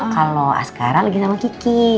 kalau askara lagi sama kiki